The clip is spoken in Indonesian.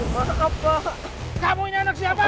kayanya masa an liner sudah piang